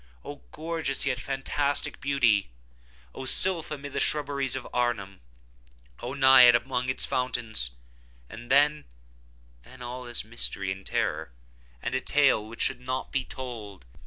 Oh, gorgeous yet fantastic beauty! Oh, sylph amid the shrubberies of Arnheim! Oh, Naiad among its fountains! And then—then all is mystery and terror, and a tale which should not be told.